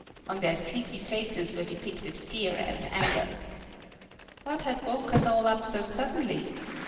On their sleepy faces were depicted fear and anger. What had woke us all up so suddenly?